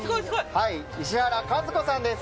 石原和子さんです。